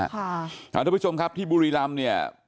สามารถทุกผู้ชมครับที่บุรีรำเนี่ย